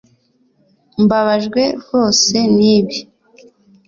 Mbabajwe rwose nibi